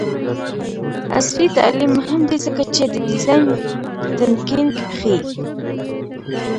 عصري تعلیم مهم دی ځکه چې د ډیزاین تنکینګ ښيي.